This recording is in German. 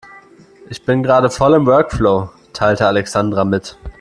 Ich bin gerade voll im Workflow, teilte Alexandra mit.